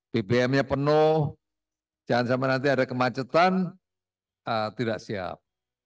bbm nya penuh jangan sampai nanti ada kemacetan tidak siap